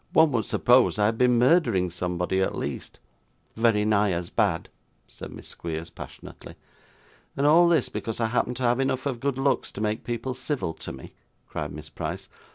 'One would suppose I had been murdering somebody at least.' 'Very nigh as bad,' said Miss Squeers passionately. 'And all this because I happen to have enough of good looks to make people civil to me,' cried Miss Price.